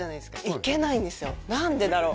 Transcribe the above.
行けないんですよ何でだろう？